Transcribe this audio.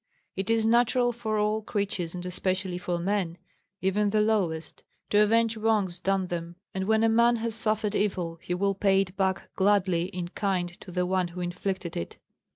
It is natural for all creatures and especially for men, even the lowest, to avenge wrongs done them, and when a man has suffered evil he will pay it back gladly in kind to the one who inflicted it.